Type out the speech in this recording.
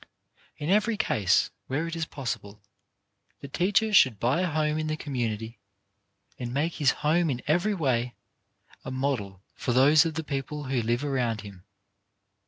In every case where it is possible, the teacher should buy a home in the community, and make his home in every way a model for those of the people who live around him.